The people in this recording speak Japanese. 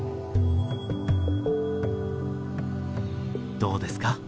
どうですか？